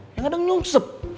ya kadang nyungsep